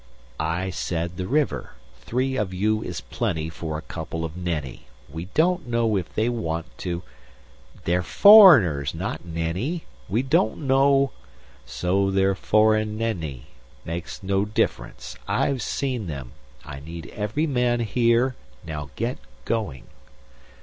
"I said the river. Three of you is plenty for a couple of Nenni. We don't know if we want to " "They're foreigners, not Nenni. We don't know " "So they're foreign Nenni. Makes no difference. I've seen them. I need every man here; now get going."